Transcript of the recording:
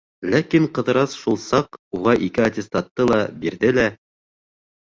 Ләкин Ҡыҙырас шул саҡ уға ике аттестатты ла бирҙе лә: